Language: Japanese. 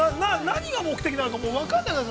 何が目的なのかもう分かんなくなる。